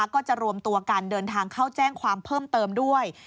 ก็จะรวมตัวกันเดินทางเข้าแจ้งความเพิ่มเติมด้วย